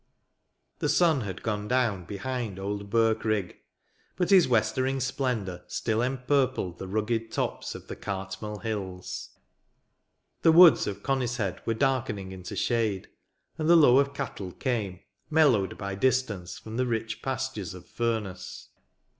The sun had gone down behind old Birkrigg ; but his westering splendour still empurpled the rugged tops of the Cartmel hills. The woods of Conishead were darkening into shade ; and the low of cattle came, mellowed by distance, from the rich pastures of Furness.